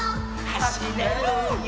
「はしれるよ」